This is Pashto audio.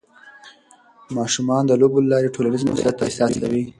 ماشومان د لوبو له لارې ټولنیز مسؤلیت احساسوي.